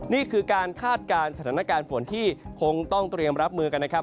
นี่คือการคาดการณ์สถานการณ์ฝนที่คงต้องเตรียมรับมือกันนะครับ